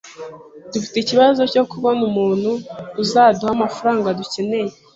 Dufite ikibazo cyo kubona umuntu uzaduha amafaranga dukeneye